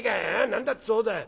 何だってそうだよ。